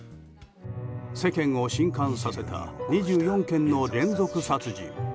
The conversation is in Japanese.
世間を震撼させた２４件の連続殺人。